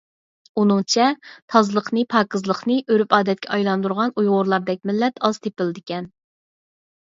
ئۇنىڭچە، تازىلىقنى، پاكىزلىقنى ئۆرپ-ئادەتكە ئايلاندۇرغان ئۇيغۇرلاردەك مىللەت ئاز تېپىلىدىكەن.